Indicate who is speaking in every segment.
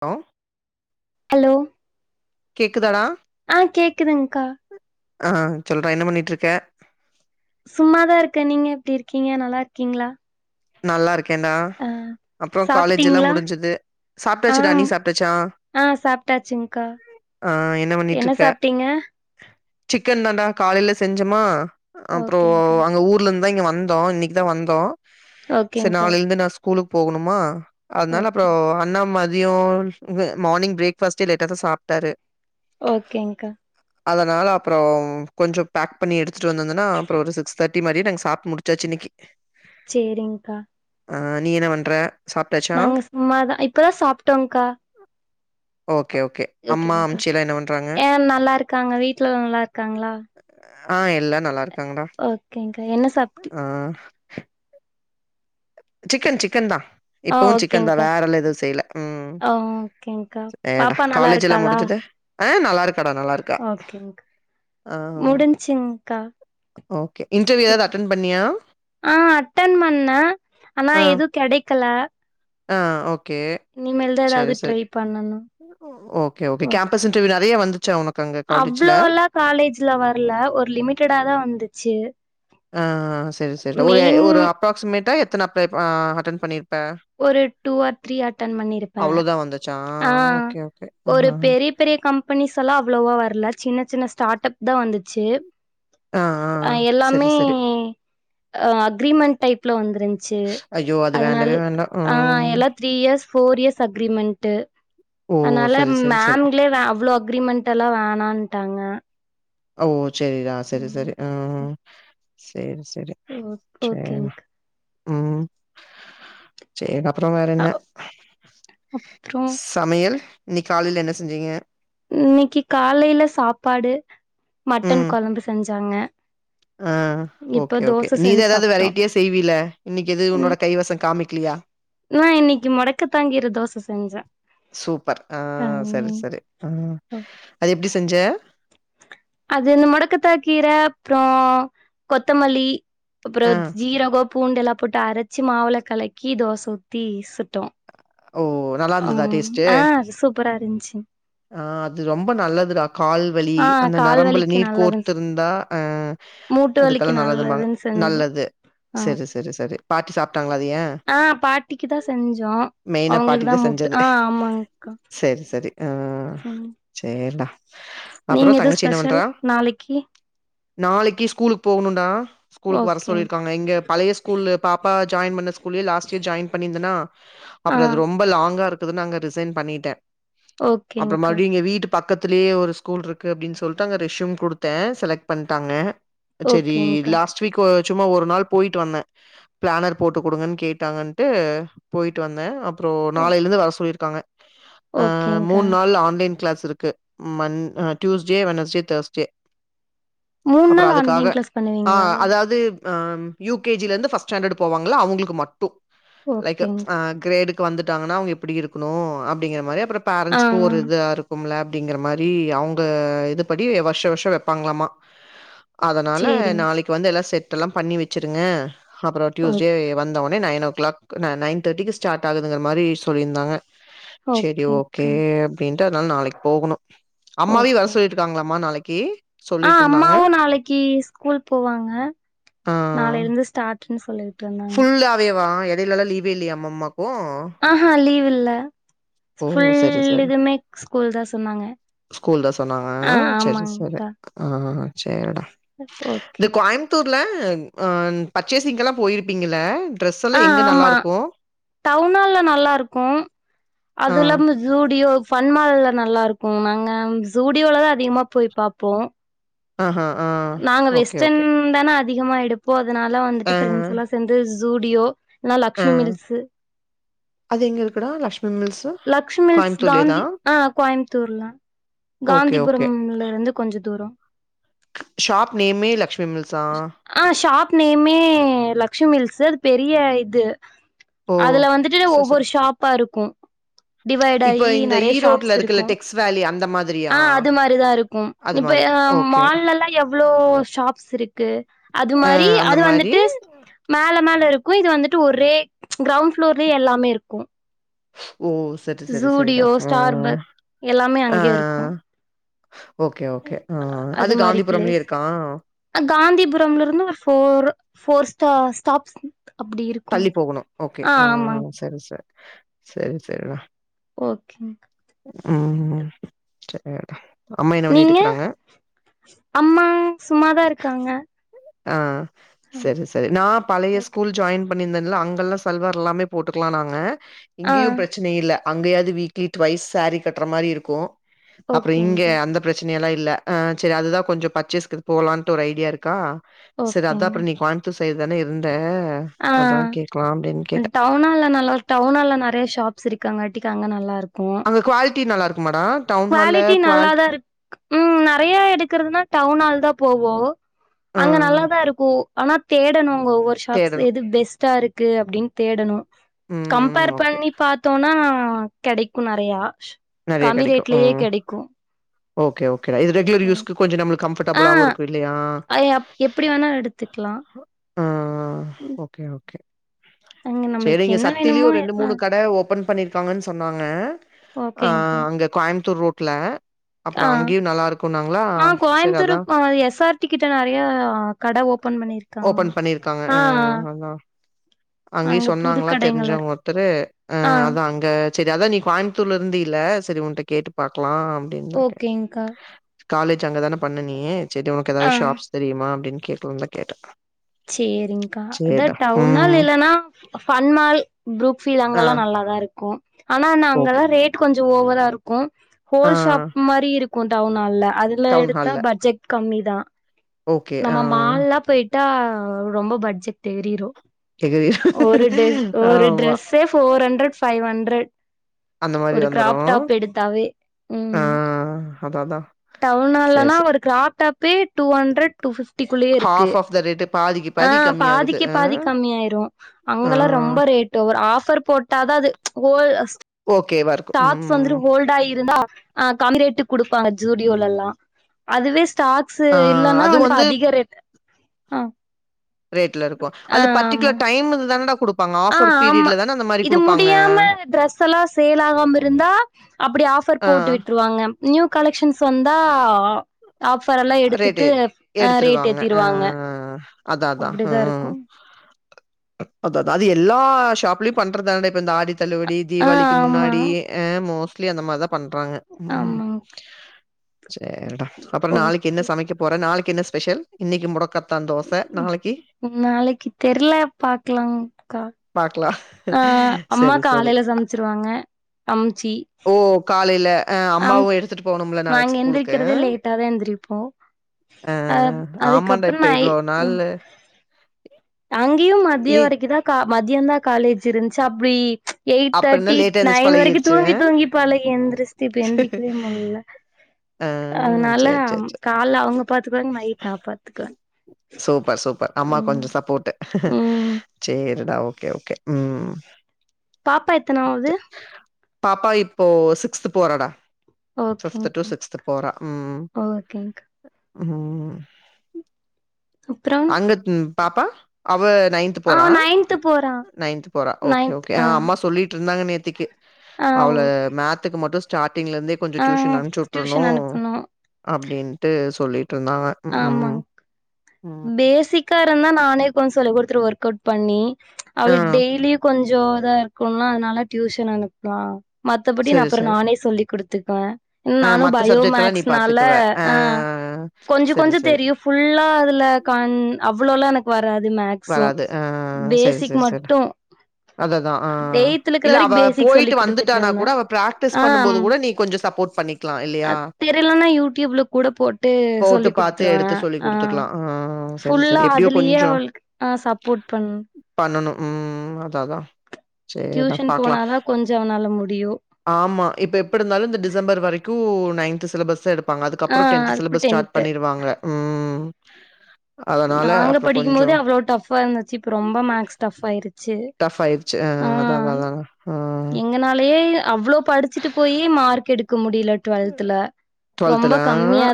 Speaker 1: Low
Speaker 2: hello
Speaker 1: கேக்குதாடா
Speaker 2: ஆ கேக்குதுங்க்கா
Speaker 1: ஆ சொல்றா என்ன பண்ணிட்டுருக்க
Speaker 2: சும்மாதா இருக்கே நீங்க எப்டி இருக்கீங்க நல்லா இருக்கீங்களா
Speaker 1: நல்லா இருக்கேன்டா
Speaker 2: ஆ
Speaker 1: அப்றோ காலேஜ்ல்லா
Speaker 2: சாப்ட்டீங்களா
Speaker 1: முடிஞ்சது சாப்ட்டாச்சு டா நீ
Speaker 2: ஆம்
Speaker 1: சாப்ட்டாச்சா
Speaker 2: ஆ சாப்ட்டாச்சுங்க்கா
Speaker 1: ஆ என்ன பண்ணிட்டு இருக்க சிக்கன் தா டா காலில செஞ்சமா அப்றோ
Speaker 2: ஓகேங்க்கா
Speaker 1: அங்க ஊர்ல இருந்தா இங்க வந்தோ இன்னிக்தா வந்தோ சரி
Speaker 2: ஓகேங்க்கா
Speaker 1: நாளிலிந்து நா ஸ்கூ லுக்கு போகணுமா அத்னால அப்றோ
Speaker 2: ஓகே
Speaker 1: அண்ணா மதியே ம் ஹூங் மார்னிங் பிரேக்ஃபாஸ்டே லேட்டா தா சாப்ட்டாரு
Speaker 2: ஓ கேங்க்கா
Speaker 1: அதனால அப்றோ கொஞ்சோ பேக் பண்ணி எடுத்துட்டு வந்துருந்தனா அப்றோ ஒரு சிக்ஸ் தேர்ட் ட்டி மாரி நாங்க சாப்ட்டு முடிச்சாச்சி இன்னிக்கி
Speaker 2: சேரிங் க்கா
Speaker 1: ஆ நீ என்ன பண்ற சாப்ட்டாச்சா
Speaker 2: நாங்க சும்மாதா இப்பதா சாப்ட்டோம்கா
Speaker 1: ஓகே,
Speaker 2: ஓ
Speaker 1: ஓகே. அம்மா,
Speaker 2: ஓகேங்க்கா
Speaker 1: அம்ச்சிலாம் என்ன பண்றாங்க?
Speaker 2: ஏ நல்லா இருக்காங்க வீட்லலெல்லா நல்லா இருக்காங்களா
Speaker 1: ஆ எல்லா நல்லா இருக்காங்கடா
Speaker 2: ஓகேங்க்கா என்ன சாப்ட்டு
Speaker 1: ஆ சிக்கன் சிக்கன் தா
Speaker 2: ஆ
Speaker 1: இப்பவூ சிக்கன் தா
Speaker 2: ஓகேங்க்கா
Speaker 1: வேறல்லா எதுவூ செய்ல ம்
Speaker 2: ஆ ஓகேங்க்கா
Speaker 1: சோர்டா
Speaker 2: பாப்பா நல்லா
Speaker 1: காலேஜ் எல்லா முடிஞ்சது ஆ நல்லா இருக்காடா நல்லா இருக்
Speaker 2: ஓகேங் முடிசிஞ்சிங் க்கா
Speaker 1: ஓகே இன்டர்வியூ ஏதாவது அட்டென் பண்ணியா
Speaker 2: ஆ அட்டன் பண்ணோ ஆனா
Speaker 1: ஆ,
Speaker 2: எதுவூ கெடைக்கல
Speaker 1: ஆ ஓகே
Speaker 2: இனிமேல் தா
Speaker 1: சரி
Speaker 2: எதாவது
Speaker 1: சரி
Speaker 2: ட்ரை பண்ணணு
Speaker 1: okay okay campus interview நறையா வந்துச்சா உனக்
Speaker 2: அவ்ளோ எல்லா காலேஜ்ல வர்ல ஒரு லிமிட்டா தா வந்துச்சு
Speaker 1: ஆ சரி சரிடா ஒரு
Speaker 2: மெயின்
Speaker 1: ஒரு அப்ராக்சிமேட்டா எத்தனை அப்ளை ஆ அட்டன் பண்ணி
Speaker 2: ஒரு டூ ஆர் த்ரீ அட்டன் பண்ணிருப்பே
Speaker 1: அவ்ளோதான் வந்துச்சா?
Speaker 2: ஆ
Speaker 1: ஓகே, ஓகே.
Speaker 2: ஒரு
Speaker 1: ஆஹஹ.
Speaker 2: பெரிப் பெரிய கம்பெனிஸ் எல்லா அவ்வளோவா வர்ல சின்ன சின்ன ஸ்டார்ட் அப் தா வந்துச்சு
Speaker 1: ஆ, ஆ.
Speaker 2: அ எல்லாமே
Speaker 1: சரி, சரி.
Speaker 2: அ அக்ரிமெண்ட் டைப்ல வந்துருச் சு
Speaker 1: ஐயோ! அது வேண்டவே
Speaker 2: அதனால
Speaker 1: வேண்டாம்.
Speaker 2: அ
Speaker 1: ம்.
Speaker 2: எல்லா three years four years agreement
Speaker 1: ஓ!
Speaker 2: அன்னால
Speaker 1: சரி, சரி, சரி.
Speaker 2: மேம்ங்ளே அவ்ளோ அக்ரிமெண்ட் எல்லா வேணான்ட்டாங்க
Speaker 1: ஓ செரிடி செரி
Speaker 2: ம்
Speaker 1: செரி ஹூமா சேரி சேரி
Speaker 2: ஓ
Speaker 1: செரி
Speaker 2: ஓகேங்க்
Speaker 1: ம் ச்செரி அப்றோ வேற என்ன
Speaker 2: அப்றோ
Speaker 1: தமையல் இன்னிக் காலையில என்ன செஞ்சீங்க
Speaker 2: இன்னிக்கி காலையில சாப்பாடு மட்டன் கொழம்பு செஞ்சாங்க
Speaker 1: அ
Speaker 2: இப்ப
Speaker 1: ஓகே ஓகே
Speaker 2: தோச
Speaker 1: நீதா
Speaker 2: செஞ்சு
Speaker 1: ஏதாவது
Speaker 2: சாப்ட்டோ
Speaker 1: வெரைட்டியா செய்வில்ல இன்னிக்கு எதுவூ உன்னோட கைவசோ காமி
Speaker 2: நா இன்னக்கி மொடக்கத்தாங்கீர தோச செஞ்ச
Speaker 1: சூப்பர் அ சரி சரி அ அது எப்டி செஞ்ச
Speaker 2: அது இந்த மொடக்கத்தா கீர அப்றோ கொத்தமல்லி அப்றோ
Speaker 1: ஆ.
Speaker 2: ஜீரகோ பூண்டல்லா போட்டு அரச்சி மாவுல கலக்கி தோச ஊத்தி சுட்டோ
Speaker 1: ஓ! நல்லா இருந்ததா
Speaker 2: அம் அ சூப்பரா இருந்ச்சிங்
Speaker 1: அ அது ரொம்ப நல்லதுடா கால் வலி
Speaker 2: ஆ
Speaker 1: அந்த
Speaker 2: கால்
Speaker 1: நரம்புல
Speaker 2: வலிக்கு
Speaker 1: நீர்
Speaker 2: நல்லதுன்னு
Speaker 1: கோர்த்திருந்தா அ
Speaker 2: மூட்டு வலிக்கு
Speaker 1: அதுக்கெல்லா நல்லதும்பாங்க
Speaker 2: நல்லதுன்னு செஞ்சோ
Speaker 1: நல்லது சரி சரி சரி பாட்டி சாப்ட்டாங்ளா அதயே
Speaker 2: அ பாட்டிக்கு தா செஞ்சோ
Speaker 1: மெயினா
Speaker 2: அவங்களுக்கு தா மூட்டு அ ஆமாங்க்கா
Speaker 1: செரி செரி அ
Speaker 2: ம்
Speaker 1: சேரிடா அப்றோ
Speaker 2: நீங்க எது
Speaker 1: தங்கச்சி என்ன
Speaker 2: ஸ்பெஷல்
Speaker 1: பண்றா
Speaker 2: நாளைக்கி
Speaker 1: நாளைக்கி ஸ்கூலுக்கு போகணுன்டா ஸ்கூலுக்கு வர
Speaker 2: ஓகேங்
Speaker 1: சொல்லியிருக்காங்க இங்க பழைய ஸ்கூல்ல பாப்பா ஜாயின் பண்ண ஸ்கூல்லயே லாஸ்ட் இயர் ஜாயின் பண்ணிந்தனா
Speaker 2: ஆ
Speaker 1: அப்றோ அது ரொம்ப லாங்கா இருக் குதுன்னு அங்க ரிசைன் பண்ணிட்ட
Speaker 2: ஓ
Speaker 1: அப்போ மறுபடியோ இங்க வீட்டு பக்கத்துலயே ஒரு ஸ்கூல் இருக்கு அப்டின்னு சொல்லிட்டு அங்க ரெஷ்யூம் குடுத்தே செலக்ட் பண்ணிட்டாங்க செரி
Speaker 2: ஓகேங்க்கா
Speaker 1: லாஸ்ட் வீக் சும்மா ஒரு நாள் போயிட்டு வந்த பிளான்னர் போட்டு குடுங்கன்னு கேட்டாங்கட்டு போயிட்டு வந்த அப்றோ
Speaker 2: ஓ
Speaker 1: நாளையில இருந்து வர சொல்லியிருக்காங்க அ
Speaker 2: ஓகேங்க்கா
Speaker 1: மூணு நாள் ஆன்லைன் கிளாஸ் இருக்கு மன் டியூஸ்டே வென்னஸ்டே தர்ஸ்டே
Speaker 2: மூணு
Speaker 1: அப்றோ
Speaker 2: நாள்
Speaker 1: அதுக்காக
Speaker 2: ஆன்லைன் கிளாஸ்
Speaker 1: அ
Speaker 2: பண்ணுவீங்களா
Speaker 1: அதாவது அ யூ கே ஜில இருந்து ஃபர்ஸ்ட் ஸ்டாண்டர்ட் போவாங்கள்ள அவங்களுக்கு மட்டு லைக்க
Speaker 2: ஓகேங்க
Speaker 1: அ கிரேடுக்கு வந்துட்டாங்கன்னா அவுங்க எப்டி இருக்கன்ணு அப்டிங்கிற மாரி அப்றோ
Speaker 2: ஆ
Speaker 1: பேரண்ட்ஸ்க்கு
Speaker 2: ஆ
Speaker 1: ஒரு இதா இருக்கும்ல அப்டிங்கிற மாரி அவுங்க இதுப்படி வருஷா வருஷோ வெப்பாங்களாமா அதனால
Speaker 2: சேரிங்
Speaker 1: நாளைக்கி வந்து எல்லா செட் எல்லா பண்ணி வச்சிருங்க அப்ற
Speaker 2: ஓ
Speaker 1: டியூஸ்டே வந்தவுனே நைன் ஓ கிளாக் ந நைன் தேர்டிக்கு ஸ்டார்ட் ஆகுதுங்குற மாரி சொல்லிருந்தாங்க
Speaker 2: ஓகே
Speaker 1: ஓகே அப்டின்ட்டு அதனால நாளைக்கு போகணு அம்மாவயு வர
Speaker 2: ஓகே
Speaker 1: சொல்லிருக்காங்களம்மா நாளைக்கி
Speaker 2: ஆ அம்மாவு நாளைக்கி ஸ்கூல் போவாங்க
Speaker 1: ஆ
Speaker 2: நாளைல இருந்து ஸ்டார்ட் டுனு சொல்லிட்டு இருந்தா
Speaker 1: ஃபுல்லாவேவா எடையிலல்லா லீவே இல்லையா அம் அம்மாக்கு
Speaker 2: ஆஹா லீவ் இல்ல
Speaker 1: ஓ செரி
Speaker 2: ஃபுல்
Speaker 1: செரி
Speaker 2: இதுமே ஸ்கூல்தா சொன்னாங்க
Speaker 1: ஸ்கூல் தா சொன்னாங்க
Speaker 2: ஆ
Speaker 1: சேரி சேரி
Speaker 2: ஆமாங்க்கா
Speaker 1: ஆ சேரிடா
Speaker 2: ஓகே
Speaker 1: இந்தக் கோய முத்தூர்ல பர்ச்சேசிங்கல்லா போயிருப்பீங்கள
Speaker 2: ஆ ஆமா டவுன் ஹால்ல நல்லா இருக்கு
Speaker 1: ஆ.
Speaker 2: அதுல்லாமா இ ஜூடியோ ஃபன்மால்ல நல்லா இருக்கு நாங்க ஜூடியோல தா அதிகமா போய் பாப்போ
Speaker 1: ஆஹ ஆ ஓகே ஓகே
Speaker 2: தானே அதிகமா எடுப்போ அதனால
Speaker 1: ஆ,
Speaker 2: வந்துட்டு ப்ரெண்ட்ஸ் எல்லா சேந்து ஜூடியோ இல்லா
Speaker 1: ஆ.
Speaker 2: லக்ஷ்மி மில்ஸு
Speaker 1: அது எங்க இருக்குடா? லக்ஷ்மி மில்ஸு?
Speaker 2: லக்ஷ்மில்ஸ்
Speaker 1: கோயம்புத்தூர்லயே
Speaker 2: காந்தி
Speaker 1: தான்?
Speaker 2: ஆ கோயமுத்தூர்லா
Speaker 1: ஓகே, ஓகே.
Speaker 2: காந்திபுரம்ல இருந்து கொஞ்ச தூரோ
Speaker 1: ஷாப் நேம்மே லக்ஷ்மி மில்
Speaker 2: ஆ ஷாப் நேமே லக்ஷ்மி மில்ஸு அது பெரிய இது
Speaker 1: ஓ!
Speaker 2: அதுல வந்துட்டு
Speaker 1: சரி,
Speaker 2: ஒவ்வொரு
Speaker 1: சரி.
Speaker 2: ஷாப்பா இருக்கு டிவைட்
Speaker 1: இப்ப
Speaker 2: ஆயி
Speaker 1: இந்த
Speaker 2: நெறையா ஷாப்ஸ்
Speaker 1: ஈரோட்ல இருக்குல்ல
Speaker 2: இருக்கு
Speaker 1: டெக்ஸ் வேலி அந்த மாதிரியா?
Speaker 2: ஆ அது மாரிதா இருக்கு
Speaker 1: அது
Speaker 2: இப்ப
Speaker 1: மாரி. ஓகே.
Speaker 2: மால்லல்லா எவ்ளோ ஷாப்ஸ் இருக்கு அது
Speaker 1: ஆ
Speaker 2: மாரி
Speaker 1: அந்த
Speaker 2: அது
Speaker 1: மாரி?
Speaker 2: வந்துட்டு மேல மேல இருக்கு இது வந்துட்டு ஒரே கிரௌண்ட் ஃப்ளோர்லயே எல்லாமே இருக்கு
Speaker 1: ஓ சரி சரி சரிடா
Speaker 2: ஜூடியோ
Speaker 1: உ
Speaker 2: ஸ்டார்பக் எல்லாமே
Speaker 1: ஆ
Speaker 2: அங்கயே இருக்கு
Speaker 1: ஓகே ஓகே ஆ அது
Speaker 2: மாரி
Speaker 1: காந்திபுரம்லயே
Speaker 2: பிளேஸ்
Speaker 1: இருக்கா
Speaker 2: காந்திபுரம்ல இருந்து ஒரு ஃபோர் ஃபோர் ஸ்டா ஸ்டாப்ஸ் அப்டி இரு
Speaker 1: தள்ளி போகணும் ஓகே ஆ சரி சரி சரி சரிடா
Speaker 2: ஓகேங்க்க
Speaker 1: ம் சேரிடா அம்மா என்ன பண்ணிட்டு
Speaker 2: நீங்க
Speaker 1: இருக்கறாங்க
Speaker 2: அம்மா சும்மாதா இருக்காங்க
Speaker 1: ஆ சரி சரி நா பழைய
Speaker 2: ஓகே
Speaker 1: ஸ்கூல் ஜாயின் பண்ணியிருந்தே அங்கெல்லா சல்வார் எல்லாமே போட்டுக்கலான்னாங்க
Speaker 2: ஆ
Speaker 1: இங்கயு பிரச்சனை இல்ல அங்கயாவது வீக்லி டுவைஸ் சாரீ கட்டுற மாரி இருக்கு அப்பற இங்க
Speaker 2: ஓகேங்க்கா
Speaker 1: அந்த பிரச்சனையெல்லா இல்ல அ சரி அதுதா கொஞ்ச பர்ச்சேஸ்க்கு போலாம்ட்டு ஒரு ஐடியா இருக்கா சரி அதா அப்பற
Speaker 2: ஓகேங்க்கா
Speaker 1: நீ கோயம்புத்தூர் சைடு தானே இருந்த அதா
Speaker 2: ஆ
Speaker 1: கேட்கலாம் அப்படின்னு கேட்டே
Speaker 2: டவுனால நல்லா டவுனால நெறைய ஷாப்ஸ் இருக்காங்க வட்டிக்கா அங்க நல்லாருக்கு
Speaker 1: அங்க குவாலிட்டி நல்லா இருக்குமாடா டவுன் ஹால்ல
Speaker 2: குவாலிட்டி நல்லாதா இருக்கு ம் நெறைய எடுக்குறதுனா டவுன்ஹால் தா போவோ
Speaker 1: ஆ
Speaker 2: அங்க நல்லாதா இருக்கூ ஆனா தேடணு அங்க ஒவ்வொ ஷாப்ஸ்
Speaker 1: தேடணு
Speaker 2: எது பெஸ்ட்டா இருக்கு அப்படின்னு தேடணு
Speaker 1: ம்
Speaker 2: கம்பேர்
Speaker 1: ஓகே
Speaker 2: பண்ணி பாத் தோணா கெடைக்கு நெறையா
Speaker 1: நெறையா கெடைக்கு
Speaker 2: லே
Speaker 1: ம்
Speaker 2: கெடைக்கு
Speaker 1: ஓகே ஓக் கே இது ரெகுலர் யூஸ்கு கொஞ்ச நம்ளுக்கு
Speaker 2: ஆ
Speaker 1: கம்பர்டபுளா இருக்கு இல்லயா
Speaker 2: அப் எப்டி வேணா எடுத்துக்கலா
Speaker 1: ம் ஓகே ஓகே
Speaker 2: அங்க
Speaker 1: சரி
Speaker 2: நம்மளுக்கு
Speaker 1: இங்க
Speaker 2: என்ன
Speaker 1: சத்திலயு
Speaker 2: வேணுமோ
Speaker 1: ஒரு ரெண்டு
Speaker 2: எல்லா
Speaker 1: மூணு கட ஓபன் பண்ணிருக்காங்கன்னு சொன்னாங்க ஆ
Speaker 2: ஓகேங்க்கா
Speaker 1: அங்க கோயமுத்தூர் ரோட்ல
Speaker 2: ஆ
Speaker 1: அப்றோ அங்கேயு நல்லா இருக்குன்னாங்களா
Speaker 2: ஆ
Speaker 1: சேரி அதா
Speaker 2: கோயம்புத்தூர் எஸ் ஆர் டி கிட்ட நெறைய கட ஓபன் பண்ணியிருக்
Speaker 1: ஓபன் பண்ணிருக்காங்க ஆ அதா அங்கேயு
Speaker 2: அங்க புது
Speaker 1: சொன்னாங்களா
Speaker 2: கடைங்கல்லா
Speaker 1: தெரிஞ்சவங்க
Speaker 2: இருக்கு
Speaker 1: ஒருத்தரு
Speaker 2: ஆ
Speaker 1: அதான்ங் சரி அதா நீ கோயம்புத்தூர்ல இருந்தில்ல சரி உன்கிட்ட கேட்டு பாக்கலா அப்படின்னுதா கேட்டே
Speaker 2: ஓகேங்க்கா
Speaker 1: காலேஜ் அங்கதானே பண்ண நீ சரி உனக்கு
Speaker 2: ஆ
Speaker 1: ஏதாவது ஷாப்ஸ் தெரியுமா அப்படின்னு கேக்லாந்தா கேட்டே
Speaker 2: சேரிங்க்கா அதா டவுனால்
Speaker 1: ம்.
Speaker 2: இல்லன்னா ஃபன்மால் குரூப் ஃபீல்
Speaker 1: ஆ.
Speaker 2: அங்கல்லா நல்லாதா இருக்கு ஆனானா
Speaker 1: ஓகே.
Speaker 2: அங்கதா ரோட் கொஞ்ச ஓவரா இருக்கு
Speaker 1: ஆ.
Speaker 2: ஹோல் ஷாப் மாரி இருக் க்கு டவுன் ஹால்ல அதுல
Speaker 1: டவுன்
Speaker 2: எடுத்தா
Speaker 1: ஹால்ல.
Speaker 2: பட்ஜெட் கம்மி தா
Speaker 1: ஓகே.
Speaker 2: நம்ம
Speaker 1: ஆ.
Speaker 2: மால்லா போயிட்டா ரொம்ப பட்ஜெட் எகிரிரு
Speaker 1: எகிறி
Speaker 2: ஒரு ட ஒரு
Speaker 1: ஆமா.
Speaker 2: ட்ரெஸ்ஸே போர் ஹண்ட்ரட் ஃபைவ் ஹண்ட்ரட்
Speaker 1: அந்த மாரி
Speaker 2: ஒரு க்ராப்
Speaker 1: வந்துரும்.
Speaker 2: டாப் எடுத்தாவே
Speaker 1: ஆ
Speaker 2: ம்
Speaker 1: அதான் அதான். சரி
Speaker 2: டவுன்ஹால்லனா
Speaker 1: சரி.
Speaker 2: ஒரு க்ராப் டாப்பே டூ ஹண்ட்ரட் டூ ஃபிஃப் ட்டிக்குள்ளேயே இருக்கு
Speaker 1: ஹால்ஃப் ஆஃப் த ரேட்டு பாதிக்கு
Speaker 2: ஆ
Speaker 1: பாதி கம்மியாகுது.
Speaker 2: பாதிக்கி
Speaker 1: ஆ.
Speaker 2: பாதி கம்மியாயிரு
Speaker 1: ஆ.
Speaker 2: அங்கெல்லா ரொம்ப ரேட் ஒரு ஆஃபர் போட்டாதா அது ஹோல்
Speaker 1: ஓகேவா இருக்கும்.
Speaker 2: டாப்ஸ்
Speaker 1: ம்.
Speaker 2: வந்து ஹோல் ஆ இருந்தா அ கம்மி ரேட்டுக்கு குடுப்பாங்க ஜூடியோலல்லா அதுவே ஸ்டார் சே
Speaker 1: ஆ
Speaker 2: இல்லன்னா
Speaker 1: அது
Speaker 2: வந்து அதிக ரேட் ஆ
Speaker 1: ரேட்ல இருக்கு
Speaker 2: ஆ
Speaker 1: அந்த
Speaker 2: ஆமா
Speaker 1: பர்டிகுலர் டைம்ன்னு தானடா குடு
Speaker 2: ஆ ஆமா இது முடியாம ட்ரெஸ் எல்லா சேல் ஆகாம இருந்தா அப்படி ஆஃபர்
Speaker 1: ஆ
Speaker 2: போட்டு விட்டுருவாங்க நியூ கலெக்ஷன்ஸ் வந்தா ஆஃபர் எல்லா
Speaker 1: ரேட்டு
Speaker 2: எடுத்துட்டு ரேட்
Speaker 1: எடுத்துருவாங்க. ஆ
Speaker 2: ஏத்திருவாங்க அப்படிதா இருக்கு
Speaker 1: அத அது எல்லா ஷாப்லயு பண்றதுதானட இப்ப இந்த ஆடி தள்ளுபடி
Speaker 2: ஆ
Speaker 1: தீபாவளிக்கு
Speaker 2: ஆமா
Speaker 1: முன்னாடி அ மோஸ்ட்லி அந்த மாதிரிதா பண்றாங்க ம்
Speaker 2: ஆமாங்
Speaker 1: சரிடா அப்பற நாளைக்கு என்ன
Speaker 2: ஓகே
Speaker 1: சமைக்க போற நாளைக்கு என்ன ஸ்பெஷல் இன்னைக்கு முடக்கத்
Speaker 2: நாளைக்கு தெரில பாக்கலங்க்கா
Speaker 1: பாக்கலா
Speaker 2: அ அம்மா காலையில சமைச்சிருவாங்க அமிச்சி
Speaker 1: காலைல அ அம்மாவு எடுத்துட்டு போகனும்ல்ல நாளைக் ஸ்கூலுக்கு
Speaker 2: டாவே எந்திரிப்போ
Speaker 1: ஆ
Speaker 2: அ
Speaker 1: ஆமாண்டா. இப்ப
Speaker 2: அதுக்கப்புறமா ஐ
Speaker 1: இவ்ளோ
Speaker 2: ம்
Speaker 1: நாளு
Speaker 2: அங்கியும் மதிய
Speaker 1: இ
Speaker 2: வரைக்கு தா கா மதியந்தா காலேஜ் இருந்ச்சி அப்டி எயிட்
Speaker 1: அப்பன்னா
Speaker 2: தேட்டி
Speaker 1: லேட்டா எந்திரிச்சு
Speaker 2: நைன் வரைக்கு
Speaker 1: பழகிருச்சு.
Speaker 2: தூங்கி தூங்கி பழகி எந்திரச்சி இப்ப எந்திரிக்கவே முட்ல
Speaker 1: ஆ
Speaker 2: அதனால
Speaker 1: சரி, சரி, சரி.
Speaker 2: கால்ல அவுங்க பாத்துக்வாங்க நைட்டு நா பாத்துக்குவ
Speaker 1: சூப்பர் சூப்பர் அம்மா கொஞ்ச சப்போட்டு
Speaker 2: ம்
Speaker 1: சேரிடா ஓகே ஓகே ம்
Speaker 2: பாப்பா எத்தனாவது
Speaker 1: சரி. பாப்பா இப்போ சிக்ஸ்த் போறாடா பிஃப்த் டூ
Speaker 2: ஓகேங்க்கா
Speaker 1: சிக்ஸ்த் போறா ம்
Speaker 2: ஓகேங்க்கா
Speaker 1: ம்
Speaker 2: அப்றோ
Speaker 1: அங்க த்ன் பாப்பா அவ நைன் த்
Speaker 2: அவ
Speaker 1: போறா
Speaker 2: நைன்த்து போறா
Speaker 1: நைன்த் போறா ஓகே ஓகே ஆ அம்மா சொல்லிட்ருந்தாங்க நேத்திக்கு
Speaker 2: ஆ
Speaker 1: அவள
Speaker 2: ஓ
Speaker 1: மேத்துக்கு மட்டு ஸ்சாட்டிங்ல இர்ந்தே கொஞ்சோ
Speaker 2: ஆ
Speaker 1: டியூஷன் அமுச்சி உட்றனு
Speaker 2: டியூஷன் அனுப்பணு
Speaker 1: அப்டின்ட்டு சொல்லிட்ருந்தாங்க ம்
Speaker 2: ஆமாங்
Speaker 1: ம்
Speaker 2: பேசிக்கா இருந்தா நானே கொஞ்ச சொல்லி குடுத்துருவ ஒர்க் அவுட் பண்ணி
Speaker 1: ஆ
Speaker 2: அவளுக் டெய்லியு கொஞ்சோ இதா இருக்குன்லா அதனால டியூஷன் அனுப்லா மத்தபடி நா
Speaker 1: செரி
Speaker 2: அப்புற
Speaker 1: செரி
Speaker 2: நானே சொல்லி் குடுத்துக்வே
Speaker 1: ஆ
Speaker 2: நானு
Speaker 1: மத்த
Speaker 2: பயோ
Speaker 1: சப்ஜெக்ட் எல்லா நீ
Speaker 2: மேக்ஸ்னால
Speaker 1: பாத்துக்குவ
Speaker 2: ஆ கொஞ்ச
Speaker 1: செரி
Speaker 2: கொஞ்ச
Speaker 1: செரி
Speaker 2: தெரியு ஃபுல்லா அதுல கண் அவ்ளோல்லா எனக்கு வராது மேக் சோ
Speaker 1: வராது ஆ செரி
Speaker 2: பேசிக்
Speaker 1: செரி செரி
Speaker 2: மட்டு
Speaker 1: அததா ஆ
Speaker 2: எய்த்துல இருக்கிற
Speaker 1: இல்ல அவ
Speaker 2: வரைக்கு பேசிக் சொல்லி
Speaker 1: போயிட்டு
Speaker 2: குடுத்துட்டு
Speaker 1: வந்துட்டானா
Speaker 2: இருந்தே
Speaker 1: கூட அவ பிராக்டிஸ் பண்ணு போது கூட நீ கொஞ்சோ சப்போட் பண்
Speaker 2: ஆ தெரியிலனா யூடியூப்ல கூட போட்டு
Speaker 1: போட்டு
Speaker 2: சொல்லி்
Speaker 1: பாத்து
Speaker 2: குடுத்துருவே
Speaker 1: எடுத்து சொல்லி
Speaker 2: ஆ
Speaker 1: குடுத்துக்கலா ஆ செரி
Speaker 2: ஃபுல்லா
Speaker 1: செரி எப்டியோ
Speaker 2: அதுலயே
Speaker 1: கொஞ்சோ
Speaker 2: அவளுக் ஆ சப்போட் பண்
Speaker 1: பண்ணணு ம் அதா அதா சேர்டா
Speaker 2: டியூஷன்
Speaker 1: பாக்கலா
Speaker 2: போனா தா கொஞ்ச அவனால முடியு
Speaker 1: ஆமா இப்ப எப்ப இருந்தாலு இந்த டிசம்பர் வரைக்கு நைன்த் சிலபஸ் தா எடு பாங்க
Speaker 2: ஆ
Speaker 1: அதுக்கப்புறோ டென்த்
Speaker 2: அதுக்கப்றோ
Speaker 1: சிலபஸ் ஸ்சாட்
Speaker 2: டென்த்து
Speaker 1: பண்ணிருவாங்க ம் அதனால
Speaker 2: நாங்க
Speaker 1: அப்புறோ
Speaker 2: படிக்கு
Speaker 1: கொஞ்சோ
Speaker 2: போதே அவ்ளோ டப்ஃபா இருந்துச்சி இப்ப ரொம்ப மேக்ஸ் டஃப் ஆயிருச்சி
Speaker 1: டஃப் ஆயிடுச்சி அ அதா அதா அதா ஆ
Speaker 2: எங்கனாலயே அவ்ளோ படிச்சிட்டு போயே மார்க் எடுக்க முடியில டுவெல்த்ல
Speaker 1: டு்வெல்தல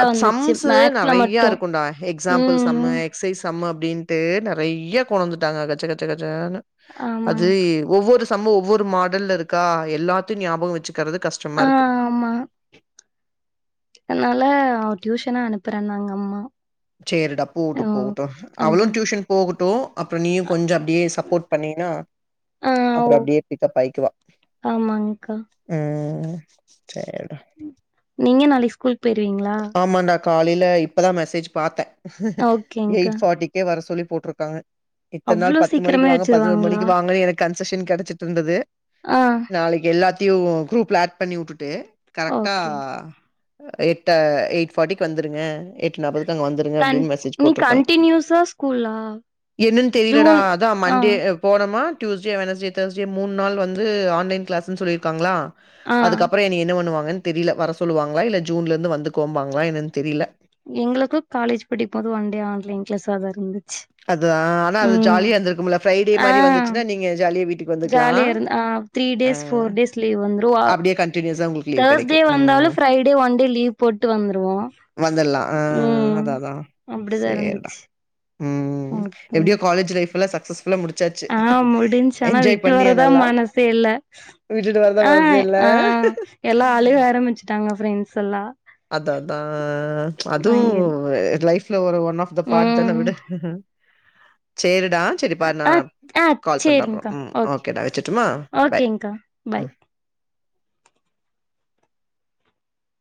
Speaker 1: அ சம்ஸ்
Speaker 2: மேக்ஸ்ல
Speaker 1: நெறைய
Speaker 2: மட்டு
Speaker 1: இருக்கு டா எக்ஸாம்பிள் சம்மு
Speaker 2: ம்
Speaker 1: சைஸ் அம்ம அப்டின்ட்டு நெறைய கொண்டு வந்துட்டாங்க கச்ச கச்ச கச்சனு அது
Speaker 2: ஆமாங்க்
Speaker 1: ஒவ்வொரு சம்மு ஒவ்வொரு மாடல்ல இருக்கா எல்லாத்தையு ஞாபக வச்சுக்கற கஷ்டமா
Speaker 2: ஆ
Speaker 1: இருக்கு
Speaker 2: ஆமா அதனால அவ டியூஷனா அனுப்புறன் நாங்க அம்மா
Speaker 1: சேரிடா
Speaker 2: ஆ
Speaker 1: போவட்டும் போவட்டு அவ்ளு
Speaker 2: அதா
Speaker 1: டியூஷன் போகட்டும் அப்புறோ நீயு கொஞ்ச அப்டியே சப்போட் பண்ணீனா அப்புற அப்டியே பிக்கப் ஆயிக்குவா
Speaker 2: ஆமாங்கா
Speaker 1: ம் செரிடா
Speaker 2: நீங்க நாளைக் ஸ்கூல் போயிருவீங்ளா
Speaker 1: ஆமாண்டா காலைல இப்பதா மெசேஜ் பாத்தே
Speaker 2: ஓகேங்க்கா
Speaker 1: எயிட் ஃபாட்டி க்கே வர சொல்லி போட்ருக்காங்க இத்தன் நாள்
Speaker 2: அவ்ளோ
Speaker 1: பத்து மணிக்கு
Speaker 2: சீக்கிரமே
Speaker 1: வாங்க பதினோரு
Speaker 2: வச்சிருவாங்களா
Speaker 1: மணிக்கு வாங்கனு எனக்கு கன்செஷன் கெடச்சிட்ருந்தது
Speaker 2: ஆ
Speaker 1: நாளைக்கி எல்லாத்தியு குரூப்ல ஆட் பண்ணி உட்டுட்டு கரெக்டா
Speaker 2: ஓகே
Speaker 1: எ ட எயிட் ஃபாட்டிக்கு வந்துருங்க எ எட்டு நாப்பதுக்கு அங்க வந்துருங்க
Speaker 2: கண்
Speaker 1: அப்டின்னு மெசேஜ்
Speaker 2: நீ
Speaker 1: போட்டுர்க்காங்க
Speaker 2: கண்டினியூஸா ஸ்கூலா
Speaker 1: என்னன்னு தெரிலடா
Speaker 2: ஜூன்
Speaker 1: அதா
Speaker 2: ஆ
Speaker 1: மண்டே போனோமா டியூஸ்டே வென்ஸ்டே தேர்ஸ்டே மூணு நாள் வந்து ஆன்லைன் கிளாஸ்ன்னு சொல்லிர்க்காங்களா
Speaker 2: ஆ
Speaker 1: அதுக்கப்பறொ என்னய என்ன பண்ணுவாங்கன்னு தெரில வர சொல்லுவாங்ளா இல்ல ஜூன்ல இருந்து வந்து கோம்பங்ளா என்னான்னு தெரில
Speaker 2: எங்களுக்கு காலேஜ் படிக்கும்போது ஒன் டே ஆன்லைன் க்ளாஸாதா இருந்து
Speaker 1: அது ஆனா அது ஜாலியா இருந்துருக்குமுல ஃப்ரைடே
Speaker 2: ஆ
Speaker 1: மாரி வந்துச்சன்னா நீங்க ஜாலியா வீட்டுக்கு வந்துரு
Speaker 2: ஜாலியா இருந்த ஆ three days four days leave வந்துரு
Speaker 1: அப்படியே கன்டினியூஸா உங்களுக்கு லீவ்
Speaker 2: தேர்ஸ்டே
Speaker 1: கெடைக்கும்.
Speaker 2: வந்தாலு
Speaker 1: ம்.
Speaker 2: ஃரைடே ஒன் டே லீவ் போட்டு வந்துருவோ
Speaker 1: வந்துடலாம். ஆ
Speaker 2: ம்
Speaker 1: அதான், அதான்.
Speaker 2: அப்டிதா இருந்துச்சு ஓகேங்
Speaker 1: எப்டியோ காலேஜ் லைஃப்லா சக்சஸ்
Speaker 2: ஆ முடிஞச்சு ஆனா விட்டு
Speaker 1: பண்ணியா
Speaker 2: வரதா
Speaker 1: நல்லா?
Speaker 2: மனசே இல்ல
Speaker 1: விட்டுட்டு வரதா
Speaker 2: ஆ
Speaker 1: மனசே இல்ல?
Speaker 2: ஆ எல்லா அழுக ஆரம்பிச்சுட்டாங்க ஃப்ரெண்ட்ஸ் எல்லா
Speaker 1: அத அதா ஆ அது
Speaker 2: அங்கிரு
Speaker 1: லைஃப்ல ஒரு ஒன் ஆஃப் த பார்ட் தான
Speaker 2: ம்
Speaker 1: விடு சேரிடா செரிப்பாரு நா
Speaker 2: ஆ ஆ
Speaker 1: கால் பண்ற அப்றோ
Speaker 2: சேரிங்க்கா
Speaker 1: ம்
Speaker 2: ஓகே
Speaker 1: ஓகேடா வச்சுருட்டுமா
Speaker 2: ஓகேங்க்கா பாய்